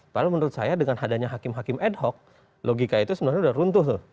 padahal menurut saya dengan adanya hakim hakim ad hoc logika itu sebenarnya sudah runtuh tuh